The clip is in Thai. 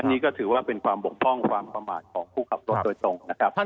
นี่ก็ถือว่าเป็นความบกพร่องความประมาทของผู้ขับรถโดยตรงนะครับ